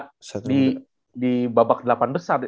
mereka akan ketemu di babak delapan besar